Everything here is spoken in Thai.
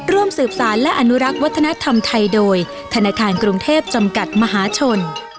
ร่วมสืบสารและอนุรักษ์วัฒนธรรมไทยโดยธนาคารกรุงเทพจำกัดมหาชน